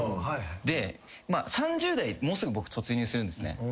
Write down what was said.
で３０代もうすぐ僕突入するんですね